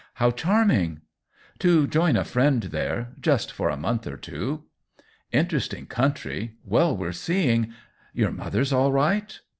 How charming !"" To join a friend there — just for a month or two.'' "Interesting country — well worth seeing. Your mother's all right